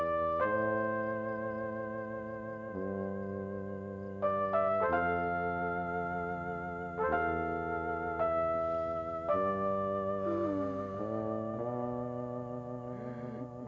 gue tuh cinta banget sama dia